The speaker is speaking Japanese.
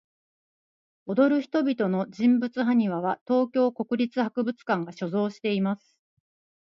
踊る人々の人物埴輪は、東京国立博物館が所蔵しています。